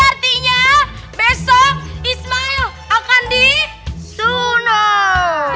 artinya besok ismail akan disunul